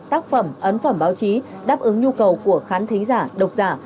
tác phẩm ấn phẩm báo chí đáp ứng nhu cầu của khán thính giả độc giả